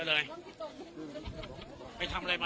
หัวเลยไม่ต้องนอนเลยนะ